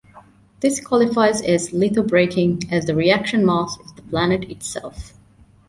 This qualifies as lithobraking, as the reaction mass is the planet itself.